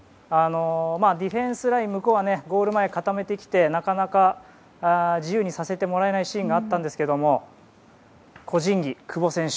ディフェンスライン向こうはゴール前、固めてきてなかなか自由にさせてもらえないシーンがあったんですけど個人技、久保選手。